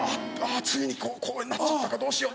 ついにこうなっちゃったかどうしよう。